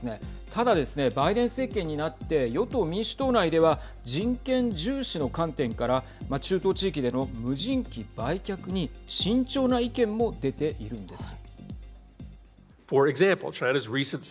ただ、バイデン政権になって与党・民主党内では人権重視の観点から中東地域での無人機売却に慎重な意見も出ているんです。